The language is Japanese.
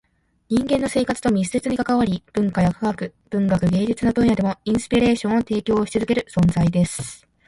人間の生活と密接に関わり、文化や科学、文学、芸術の分野でもインスピレーションを提供し続ける存在です。